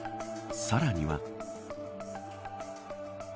さらには。